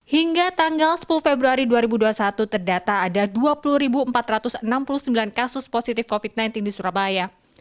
hingga tanggal sepuluh februari dua ribu dua puluh satu terdata ada dua puluh empat ratus enam puluh sembilan kasus positif covid sembilan belas di surabaya